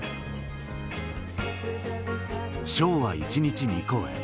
ショーは１日２公演